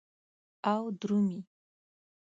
او درومې